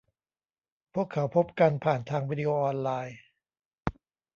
พวกเขาพบกันผ่านทางวีดีโอออนไลน์